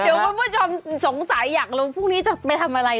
เดี๋ยวคุณผู้ชมสงสัยอยากรู้พรุ่งนี้จะไปทำอะไร